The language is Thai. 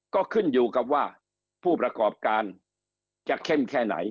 ก็ขึ้นอยู่กับว่าผู้ประกอบการจะเข้มแค่ไหน